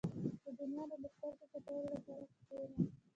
• د دنیا نه د سترګو پټولو لپاره کښېنه.